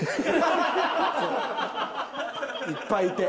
いっぱいいて。